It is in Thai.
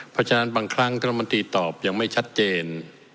เพราะฉะนั้นบางครั้งท่านรัฐมนตรีตอบยังไม่ชัดเจน